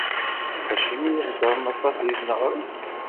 Acimi i heddren aṭas di tneɣrit?